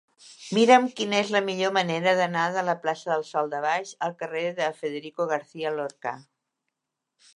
Mira'm quina és la millor manera d'anar de la plaça del Sòl de Baix al carrer de Federico García Lorca.